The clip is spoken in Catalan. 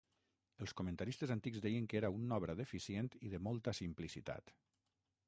Els comentaristes antics deien que era una obra deficient i de molta simplicitat.